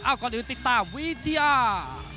เอาก่อนอื่นติดตามวิทยา